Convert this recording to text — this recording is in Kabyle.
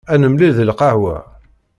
Ad nemlil deg lqahwa!